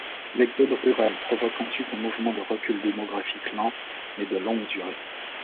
L’exode rural provoque ensuite un mouvement de recul démographique lent, mais de longue durée.